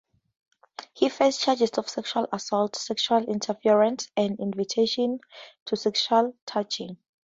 He faced charges of sexual assault, sexual interference and invitation to sexual touching.